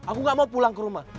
aku gak mau pulang ke rumah